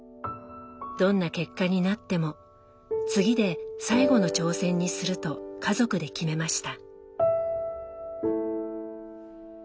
どんな結果になっても次で最後の挑戦にすると家族で決めました。